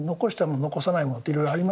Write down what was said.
残さないものっていろいろありますのでね